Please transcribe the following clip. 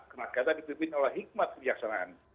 karena kata dipimpin oleh hikmat kebijaksanaan